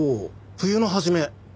冬の初め。